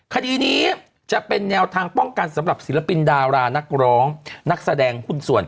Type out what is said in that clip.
คดีนี้จะเป็นแนวทางป้องกันสำหรับศิลปินดารานักร้องนักแสดงหุ้นส่วน